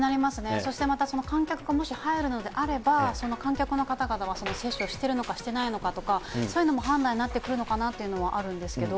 そしてまた観客がもし入るのであれば、観客の方々は接種をしているのか、していないのかっていうのも、そういうのも判断になってくるのかなというのはあるんですけど、